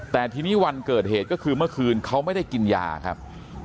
แต่ทีนี้วันเกิดเหตุก็คือเมื่อคืนเขาไม่ได้กินยาครับ